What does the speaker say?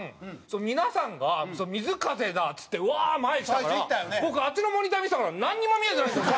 皆さんが「瑞風だ！」っつってウワーッ前来たから僕あっちのモニター見てたからなんにも見えてないんですよ